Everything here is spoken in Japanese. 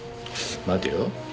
待てよ。